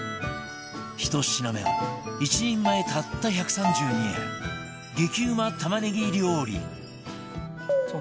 １品目は１人前たった１３２円激うま玉ねぎ料理